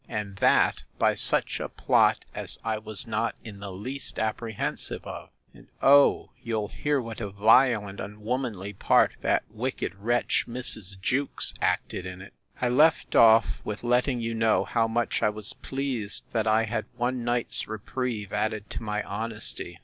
and that by such a plot as I was not in the least apprehensive of: And, oh! you'll hear what a vile and unwomanly part that wicked wretch, Mrs. Jewkes, acted in it! I left off with letting you know how much I was pleased that I had one night's reprieve added to my honesty.